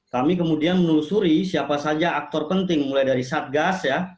kami kemudian menelusuri siapa saja aktor penting mulai dari satgas ya